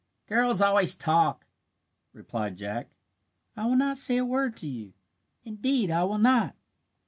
"Girls always talk," replied Jack. "I will not say a word to you indeed I will not."